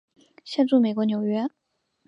现住美国纽约。